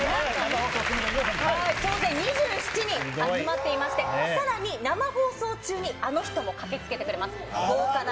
総勢２７人、集まっていまして、さらに、生放送中にあの人も駆けつけてくれます。